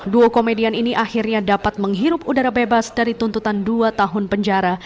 dua komedian ini akhirnya dapat menghirup udara bebas dari tuntutan dua tahun penjara